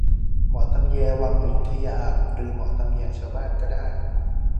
หมอตำแยวังอยุธยาหรือหมอตำแยชาวบ้านก็ได้